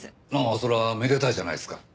それはめでたいじゃないですか。